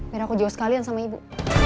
biar aku jauh sekalian sama ibu